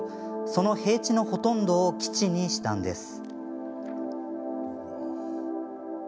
その平地のほとんどを基地にしたのです。